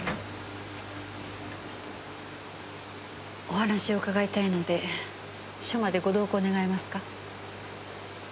お話を伺いたいので署までご同行願えますか？